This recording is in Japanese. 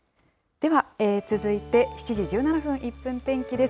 では続いて７時１７分、１分天気です。